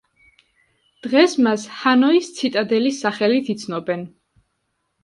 დღეს მას ჰანოის ციტადელის სახელით იცნობენ.